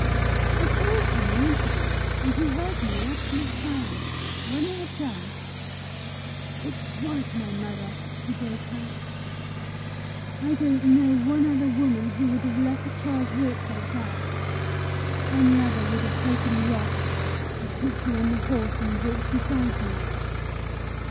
I told him the incident, and he heard me in absolute silence. When I had done, "It was my mother!" he broke out; "I don't know one other woman who would have let a child walk like that! Any other would have taken you up, or put you on the horse and walked beside you!"